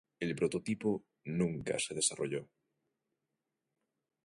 El prototipo nunca se desarrolló.